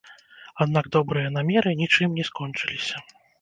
Аднак добрыя намеры нічым не скончыліся.